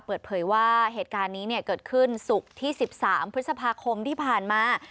เปิดเผยว่าเหตุการณ์นี้เกิดขึ้นศุกร์ที่๑๓พฤษภาคมที่ผ่านมา